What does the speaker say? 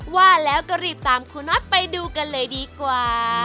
ว่าแล้วก็รีบตามครูน็อตไปดูกันเลยดีกว่า